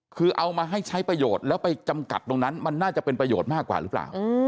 คือเอามาให้ใช้ประโยชน์แล้วไปจำกัดตรงนั้นมันน่าจะเป็นประโยชน์มากกว่าหรือเปล่า